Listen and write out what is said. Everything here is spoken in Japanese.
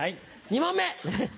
２問目。